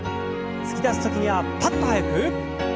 突き出す時にはパッと速く。